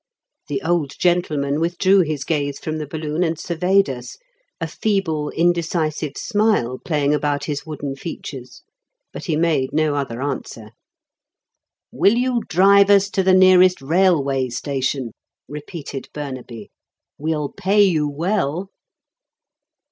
The old gentleman withdrew his gaze from the balloon and surveyed us, a feeble, indecisive smile playing about his wooden features; but he made no other answer. "Will you drive us to the nearest railway station?" repeated Burnaby. "We'll pay you well."